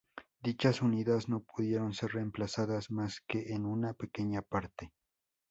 Dichas unidades no pudieron ser reemplazadas más que en una pequeña parte.